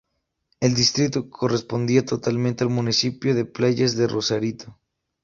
El distrito correspondía totalmente al municipio de Playas de Rosarito.